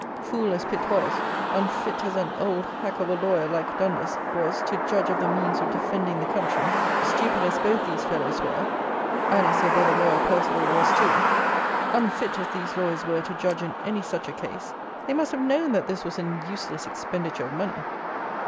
Fool as Pitt was; unfit as an old hack of a lawyer, like Dundas, was to judge of the means of defending the country, stupid as both these fellows were, and as their brother lawyer, Perceval, was too: unfit as these lawyers were to judge in any such a case, they must have known that this was an useless expenditure of money.